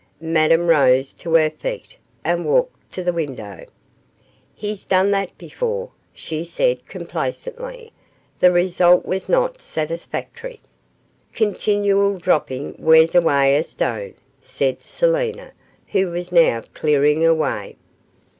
Madame rose to her feet and walked to the window. 'He's done that before,' she said, complacently; 'the result was not satisfactory.' 'Continual dropping wears away a stone,' said Selina, who was now clearing away.